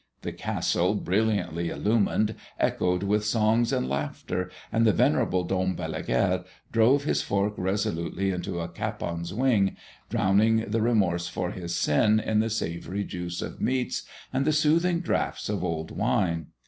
The castle, brilliantly illumined, echoed with songs and laughter; and the venerable Dom Balaguère drove his fork resolutely into a capon's wing, drowning the remorse for his sin in the savory juice of meats and the soothing draughts of old wine.